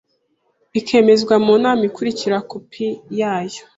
ikemezwa mu nama ikurikira Kopi yayo